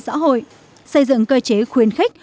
xã hội xây dựng cơ chế khuyến khích